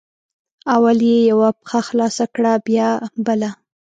اول یې یوه پښه خلاصه کړه بیا بله